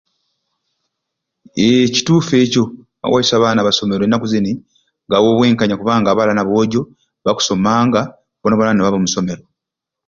Eee kituufu ekyo ewaiswe abaana abasomere enaku zini gawa obwenkanya kubanga abaala n'aboojo bakusomanga boona boona ni baaba omu somero.